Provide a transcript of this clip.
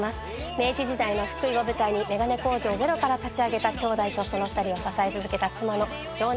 明治時代の福井を舞台に眼鏡工場をゼロから立ち上げた兄弟とその２人を支え続けた妻の情熱と愛の物語です。